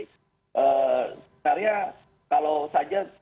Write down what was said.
seharian kalau saja